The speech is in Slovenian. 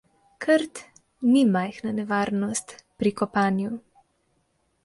Krt ni majhna nevarnost pri kopanju.